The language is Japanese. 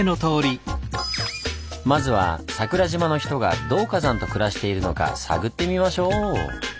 まずは桜島の人がどう火山と暮らしているのか探ってみましょう！